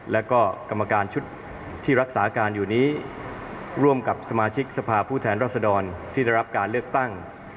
แล้วก็กรรมการชุดที่รักษาการอยู่นี้ร่วมกับสมาชิกสภาพผู้แทนรัศดรที่ได้รับการเลือกตั้ง